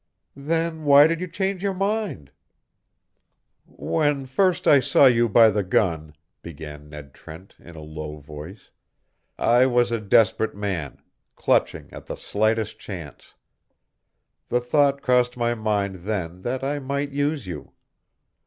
"Then why did you change your mind?" "When first I saw you by the gun," began Ned Trent, in a low voice, "I was a desperate man, clutching at the slightest chance. The thought crossed my mind then that I might use you.